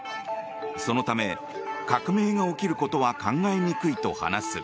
そのため、革命が起きることは考えにくいと話す。